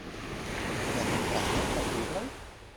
Per pratempaj libroj?